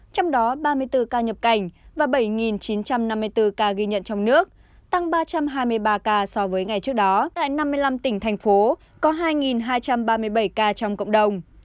trong đó ba mươi bốn ca nhập cảnh và bảy chín trăm năm mươi bốn ca ghi nhận trong nước tăng ba trăm hai mươi ba ca so với ngày trước đó tại năm mươi năm tỉnh thành phố có hai hai trăm ba mươi bảy ca trong cộng đồng